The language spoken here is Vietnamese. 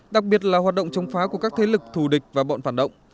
đặc biệt là hoạt động chống phá của các thế lực thù địch và bọn phản động